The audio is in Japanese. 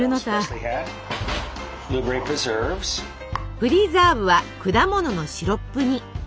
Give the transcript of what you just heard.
プリザーブは果物のシロップ煮。